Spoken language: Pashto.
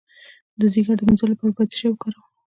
د ځیګر د مینځلو لپاره باید څه شی وکاروم؟